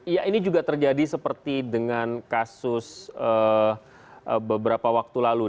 ya ini juga terjadi seperti dengan kasus beberapa waktu lalu